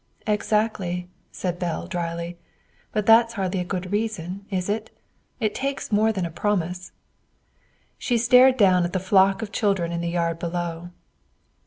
"Exactly," said Belle dryly. "But that's hardly a good reason, is it? It takes more than a promise." She stared down at the flock of children in the yard below.